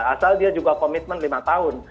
asal dia juga komitmen lima tahun